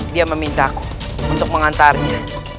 dia memintaku untuk mengantarnya